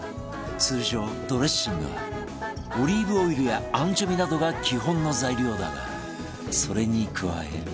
通常ドレッシングはオリーブオイルやアンチョビなどが基本の材料だがそれに加え